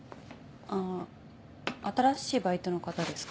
あ新しいバイトの方ですか？